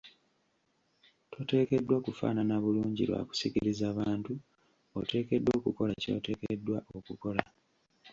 Toteekeddwa kufaanana bulungi lwa kusikiriza bantu oteekeddwa okukola ky’oteekeddwa okukola.